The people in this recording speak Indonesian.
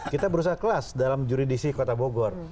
kita berusaha kelas dalam juridisi kota bogor